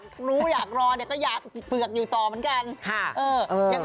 เนี่ยก็อยากเปลือกอยู่ซอเหมือนกัน